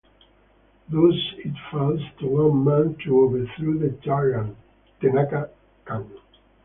Thus it falls to one man to overthrow the tyrant--- Tenaka Khan.